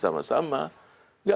kita bisa bangun negeri